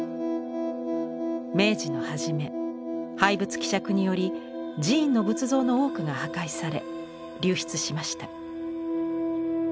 明治の初め廃仏毀釈により寺院の仏像の多くが破壊され流出しました。